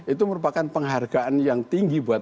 itu merupakan penghargaan yang tinggi buat